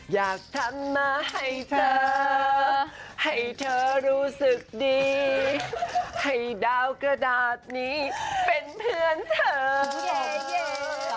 อยากทำมาให้เธอให้เธอรู้สึกดีให้ดาวกระดาษนี้เป็นเพื่อนเธอแย่